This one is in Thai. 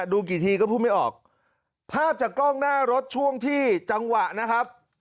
ดูกี่ทีก็พูดไม่ออกภาพจากกล้องหน้ารถช่วงที่จังหวะนะครับ